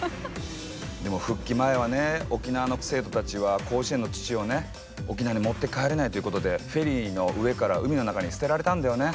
でも復帰前はね沖縄の生徒たちは甲子園の土をね沖縄に持って帰れないということでフェリーの上から海の中に捨てられたんだよね。